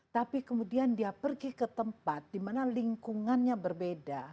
tapi kemudian dia pergi ke tempat dimana lingkungannya berbeda